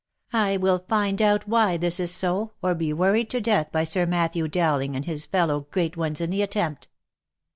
I will find out why this is so, or be worried to death by Sir Matthew Dowling and his fellow great ones in the attempt."